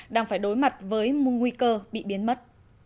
đang phải đối mặt với nguy cơ bị biến mất